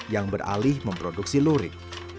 yang beralih memproduksi lurik